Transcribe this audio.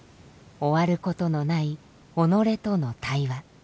終わることのない己との対話